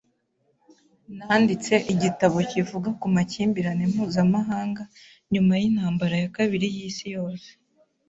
Nanditse igitabo kivuga ku makimbirane mpuzamahanga nyuma y'intambara ya kabiri y'isi yose.